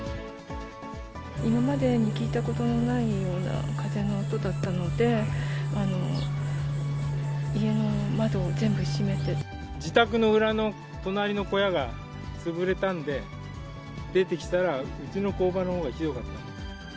今までに聞いたことのないような風の音だったので、自宅の裏の隣の小屋が潰れたんで、出てきたら、うちの工場のほうがひどかった。